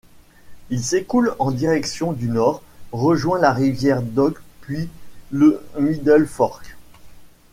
Il s'écoule en direction du nord, rejoint la rivière Dog puis le Middle Fork.